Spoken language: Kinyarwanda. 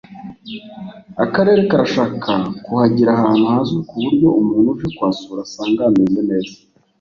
Akarere karashaka kuhagira ahantu hazwi ku buryo umutu uje kuhasura asanga hameze neza